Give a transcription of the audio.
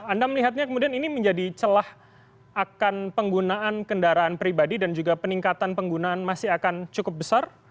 anda melihatnya kemudian ini menjadi celah akan penggunaan kendaraan pribadi dan juga peningkatan penggunaan masih akan cukup besar